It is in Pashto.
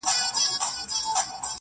لا یې خوله وي د غلیم په کوتک ماته!!..